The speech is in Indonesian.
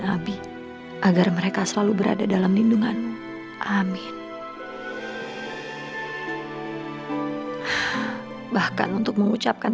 sama abi agar mereka selalu berada dalam lindunganmu amin bahkan untuk mengucapkan